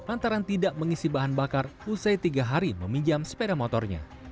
antara tidak mengisi bahan bakar usai tiga hari meminjam sepeda motornya